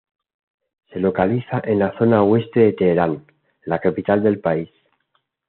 Se localiza en la zona oeste de Teherán, la capital del país.